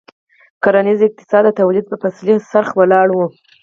کرنیز اقتصاد د تولید په فصلي څرخ ولاړ و.